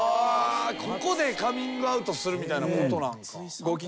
ここでカミングアウトするみたいなことなんか。